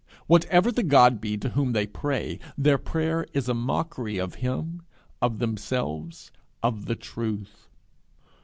Whatever the God be to whom they pray, their prayer is a mockery of him, of themselves, of the truth.